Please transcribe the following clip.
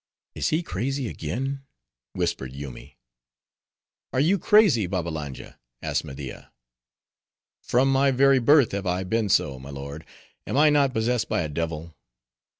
"Is he crazy again?" whispered Yoomy. "Are you crazy, Babbalanja?" asked Media. "From my very birth have I been so, my lord; am I not possessed by a devil?"